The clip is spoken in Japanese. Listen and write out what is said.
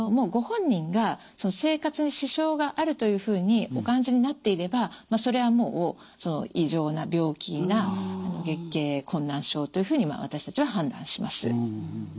ご本人が生活に支障があるというふうにお感じになっていればそれはもう異常な病気な月経困難症というふうに私たちは判断します。